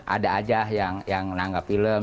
ada saja yang menanggap film